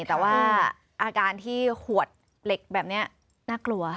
แต่ว่าอาการที่ขวดเหล็กแบบนี้น่ากลัว